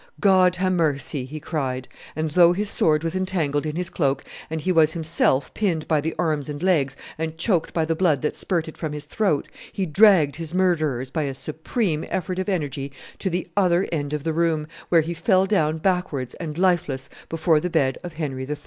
"God ha' mercy!" he cried, and, though his sword was entangled in his cloak, and he was himself pinned by the arms and legs and choked by the blood that spurted from his throat, he dragged his murderers, by a supreme effort of energy, to the other end of the room, where he fell down backwards and lifeless before the bed of Henry III.